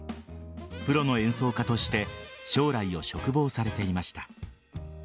プロの演奏家として将来を嘱望されていました。